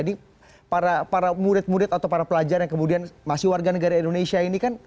jadi para murid murid atau para pelajar yang kemudian masih warga negara indonesia ini kan